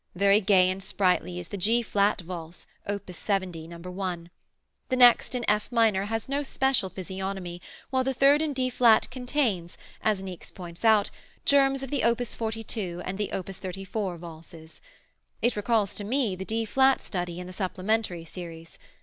Very gay and sprightly is the G flat Valse, op. 70, No. I. The next in F minor has no special physiognomy, while the third in D flat contains, as Niecks points out, germs of the op. 42 and the op. 34 Valses. It recalls to me the D flat study in the supplementary series.